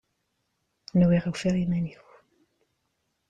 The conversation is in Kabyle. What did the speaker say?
Nwiɣ ufiɣ iman-iw!